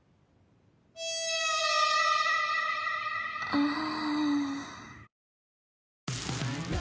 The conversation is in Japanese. ああ。